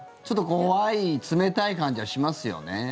ちょっと怖い、冷たい感じはしますよね。